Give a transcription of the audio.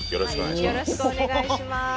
よろしくお願いします。